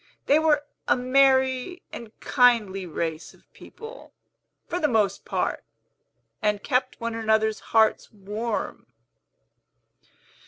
They were a merry and kindly race of people, for the most part, and kept one another's hearts warm."